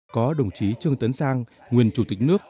có đồng chí trương tấn sang nguyên chủ tịch nước